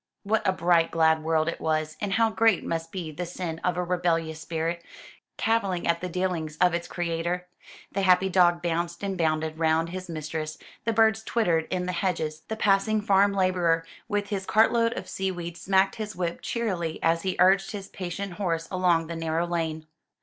What a bright glad world it was, and how great must be the sin of a rebellious spirit, cavilling at the dealings of its Creator! The happy dog bounced and bounded round his mistress, the birds twittered in the hedges, the passing farm labourer with his cartload of seaweed smacked his whip cheerily as he urged his patient horse along the narrow lane.